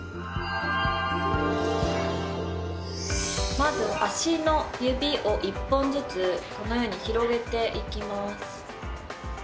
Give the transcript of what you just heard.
まず足の指を１本ずつこのように広げていきます。